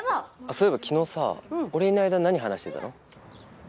そういえば昨日さ俺いない間何話してたの？